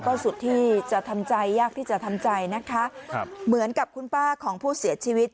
ก็สุดที่จะทำใจยากที่จะทำใจนะคะครับเหมือนกับคุณป้าของผู้เสียชีวิต